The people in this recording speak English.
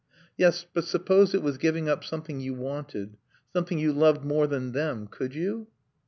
"Yes, but suppose it was giving up something you wanted, something you loved more than them could you?"